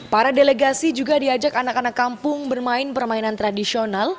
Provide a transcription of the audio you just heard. para delegasi juga diajak anak anak kampung bermain permainan tradisional